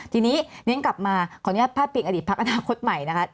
ทีนี้เรียนกลับมาขออนุญาตพาดพิงอดีตพักอนาคตใหม่นะคะ